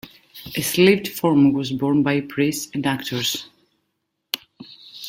A sleeved form was worn by priests and actors.